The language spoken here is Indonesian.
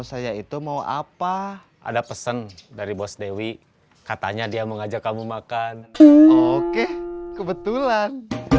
saya itu mau apa ada pesan dari bos dewi katanya dia mau ngajak kamu makan oke kebetulan